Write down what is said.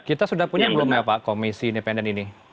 kita sudah punya belum ya pak komisi independen ini